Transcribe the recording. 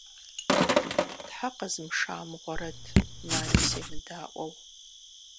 Тхьэ къэзмыша мыгъуэрэт, Нани семыдаӏуэу.